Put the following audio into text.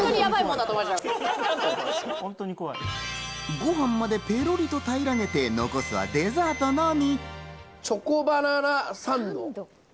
ご飯までペロリとたいらげて、残すはデザートのみ。